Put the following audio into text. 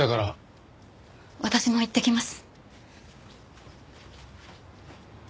私も行ってきます。